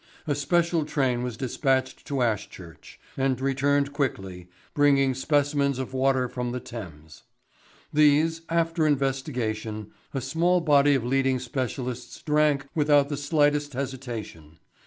A special train was dispatched to Ashchurch, and returned quickly, bringing specimens of water from the Thames. "These, after investigation, a small body of leading specialists drank without the slightest hesitation.